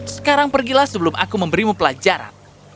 sekarang pergilah sebelum aku memberimu pelajaran